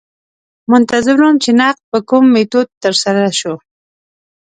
منتظر وم چې نقد په کوم میتود ترسره شوی.